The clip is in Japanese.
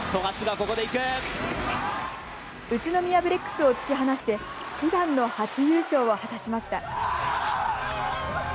宇都宮ブレックスを突き放して悲願の初優勝を果たしました。